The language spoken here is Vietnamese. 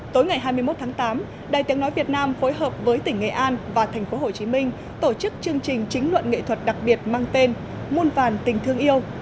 tối ngày hai mươi một tháng tám đài tiếng nói việt nam phối hợp với tỉnh nghệ an và thành phố hồ chí minh tổ chức chương trình chính luận nghệ thuật đặc biệt mang tên môn vàn tình thương yêu